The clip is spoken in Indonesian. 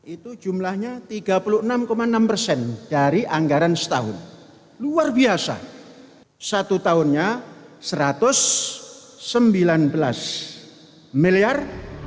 itu jumlahnya tiga puluh enam enam persen dari anggaran setahun luar biasa satu tahunnya satu ratus sembilan belas miliar